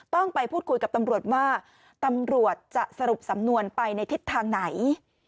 ต้องไปพูดคุยกับตำรวจว่าตำรวจจะสรุปสำนวนไปในทิศทางไหน